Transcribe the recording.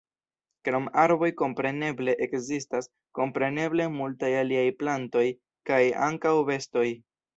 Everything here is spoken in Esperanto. Krom arboj kompreneble ekzistas kompreneble multaj aliaj plantoj kaj ankaŭ bestoj.